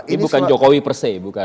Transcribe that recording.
ini bukan jokowi perse